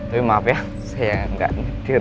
tapi maaf ya saya enggak nedir